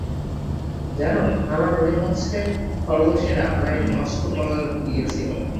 জানো, আমার মনে হচ্ছে খরগোশেরা আমায় নষ্ট কলার দিয়েছিল।